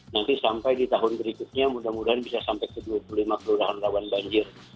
nanti sampai di tahun berikutnya mudah mudahan bisa sampai ke dua puluh lima kelurahan rawan banjir